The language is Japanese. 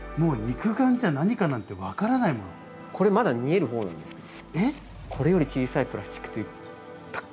これまだ見える方なんですよ。えっ！？